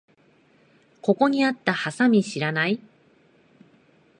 ここにあったハサミ知らない？